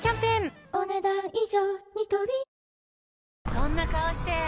そんな顔して！